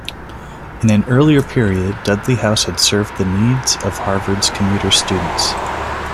In an earlier period, Dudley House had served the needs of Harvard's commuter students.